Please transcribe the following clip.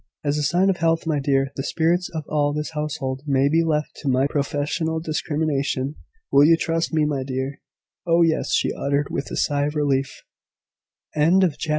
"As a sign of health, my dear, the spirits of all this household may be left to my professional discrimination. Will you trust me, my dear?" "Oh, yes!" she uttered, with a sigh of relief. CHAPTER EIGHTEEN. GRANDMAMMA IN RETREAT.